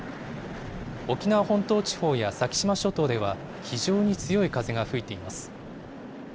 沖縄本島地方や先島諸島では、非常に強い風が吹いています。